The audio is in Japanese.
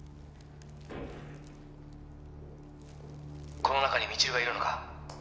この中に未知留がいるのか？